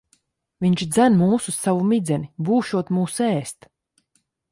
Viņš dzen mūs uz savu midzeni. Būšot mūs ēst.